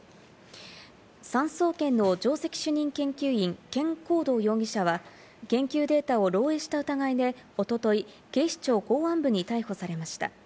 産総研の上席主任研究員ケン・コウドウ容疑者は、研究データを漏えいした疑いでおととい警視庁公安部に逮捕されました。